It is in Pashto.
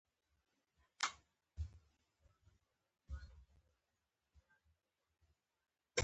د تایم پاڼې د څه لپاره وکاروم؟